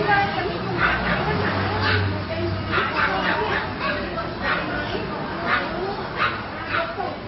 และต้องสร้างพลังแม่งยูมต้องให้ด้วย